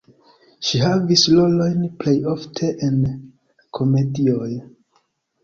Ŝi havis rolojn plej ofte en komedioj.